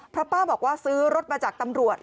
เพราะป้าบอกว่าซื้อรถมาจากตำรวจ